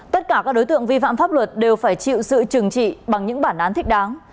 tất cả các đối tượng vi phạm pháp luật đều phải chịu sự trừng trị bằng những bản án thích đáng